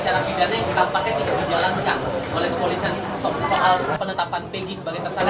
oleh kepolisian soal penetapan peggy sebagai tersangka